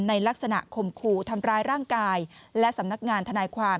ในลักษณะข่มขู่ทำร้ายร่างกายและสำนักงานทนายความ